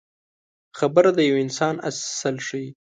خبره د یو انسان اصل ښيي.